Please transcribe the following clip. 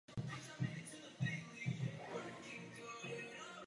Práce bubeníka Nicka Masona na tomto albu nebyla příliš velká.